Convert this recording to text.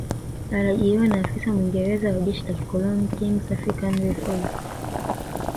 Aliajiriwa na afisa Mwingereza wa jeshi la kikoloni Kings African Rifles